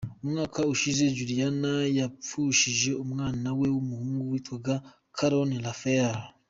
Umwaka ushize Juliana yapfushije umwana we w’umuhungu witwaga Keron Raphael.